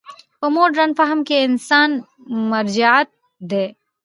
په مډرن فهم کې انسان مرجعیت دی.